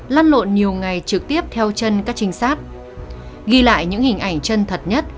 lăn lộn nhiều ngày trực tiếp theo chân các trinh sát ghi lại những hình ảnh chân thật nhất